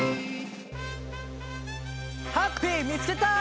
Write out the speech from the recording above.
ハッピーみつけた！